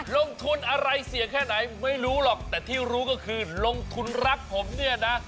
ลงทุนอะไรเสี่ยงแค่ไหนไม่รู้หรอกแต่ที่รู้ก็คือลงทุนรักผมเนี่ยนะ